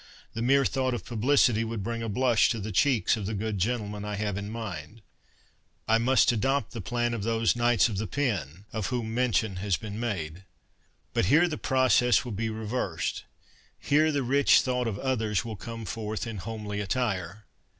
The mere thought of publicity would bring a blush to the cheeks of the good gentlemen I have in mind. I must adopt the plan of those ' Knights of the Pen ' of whom mention has been made. But here the process will be reversed. Here the rich thought of others will come forth in homely attire.